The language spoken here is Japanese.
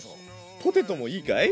ポテトもいいかい？